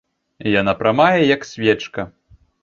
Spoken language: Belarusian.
Яна прамая, як свечка.